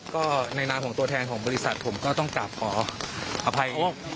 ก็ในนามของตัวแทนของบริษัทผมก็ต้องกลับขออภัย